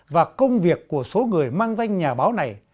và công việc của số người mang danh nhà báo này